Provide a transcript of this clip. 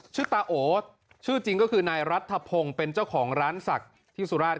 ตาโอชื่อจริงก็คือนายรัฐพงศ์เป็นเจ้าของร้านศักดิ์ที่สุราช